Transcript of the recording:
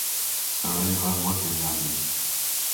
سړی غږ وپېژاند.